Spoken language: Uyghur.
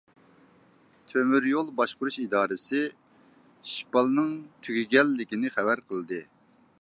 تۆمۈر يول باشقۇرۇش ئىدارىسى شىپالنىڭ تۈگىگەنلىكىنى خەۋەر قىلدى.